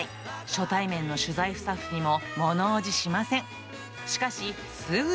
初対面の取材スタッフにもものおじしません。